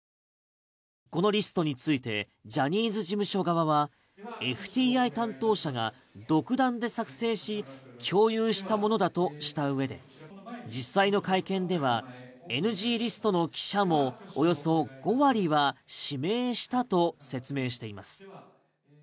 このリストについてジャニーズ事務所側はＦＴＩ担当者が独断で作成し共有したものだとしたうえで実際の会見ではＮＧリストの記者もおよそ５割は指名したと説明しています。